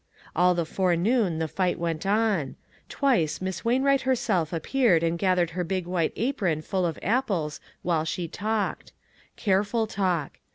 All the forenoon the fight went on. Twice Miss Wainwright herself appeared and gathered her big white apron full of apples while she talked. Careful talk.